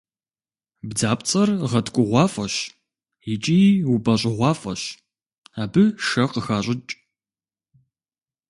Бдзапцӏэр гъэткӏугъуафӏэщ икӏи упӏэщӏыгъуафӏэщ, абы шэ къыхащӏыкӏ.